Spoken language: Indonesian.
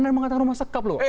anda mengatakan rumah sekap loh